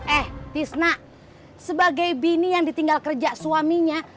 eh tisna sebagai bini yang ditinggal kerja suaminya